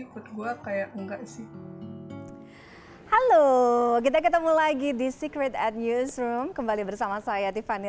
buat gue kayak enggak sih halo kita ketemu lagi di secret at newsroom kembali bersama saya tiffany